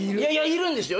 いるんですよ。